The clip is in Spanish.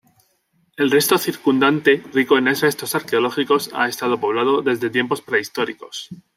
El entorno circundante, rico en restos arqueológicos, ha estado poblado desde tiempos prehistóricos.